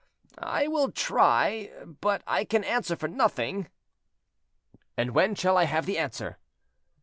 "I will try, but I can answer for nothing." "And when shall I have the answer?"